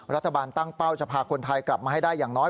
รัฐบาลตั้งเป้าจะพาคนไทยกลับมาให้ได้อย่างน้อย